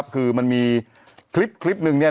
คือมันมีคลิปหนึ่ง